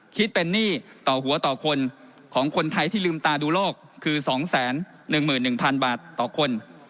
คิดเป็นหนี้ต่อหัวต่อคนของคนไทยที่ลืมตาดูโลกคือ๒๑๑๐๐๐บาทต่อคน